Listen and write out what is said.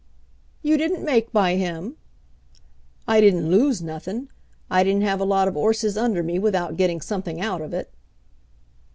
"You didn't make by him?" "I didn't lose nothing. I didn't have a lot of 'orses under me without getting something out of it."